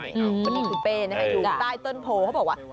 คุณเป้เนี่ยให้ดูใต้เติลโผล่เขาบอกว่า